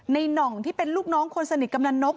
หน่องที่เป็นลูกน้องคนสนิทกำนันนก